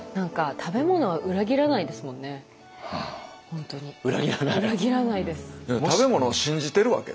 食べ物を信じてるわけだ。